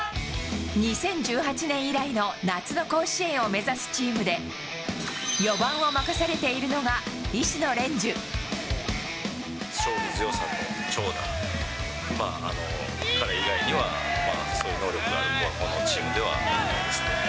２０１８年以来の夏の甲子園を目指すチームで、勝負強さと長打、彼以外には、そういう能力がある子は、このチームではいないですね。